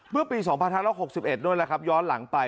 เมื่อปี๒๑๖๑ย้อนหลังไป